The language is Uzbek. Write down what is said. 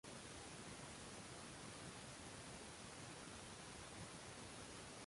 Tramp soxta sovg‘alar bilan siylanganmidi?